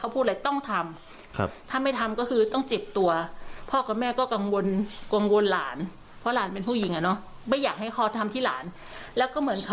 พี่ตากับยายแบบเออเขาเลี้ยงมาแบบเออ